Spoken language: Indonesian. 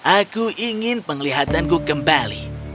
aku ingin penglihatanku kembali